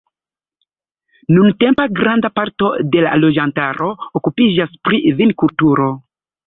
Nuntempe granda parto de la loĝantaro okupiĝas pri vinkulturo.